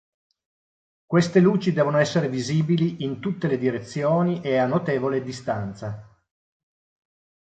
Queste luci devono essere visibili in tutte le direzioni e a notevole distanza.